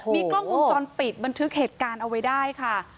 มีกล้องวงจรปิดบันทึกเหตุการณ์เอาไว้ได้ค่ะ